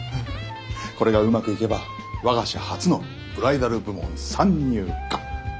これがうまくいけば我が社初のブライダル部門参入か。